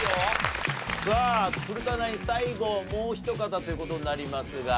さあ古田ナイン最後もうお一方という事になりますが。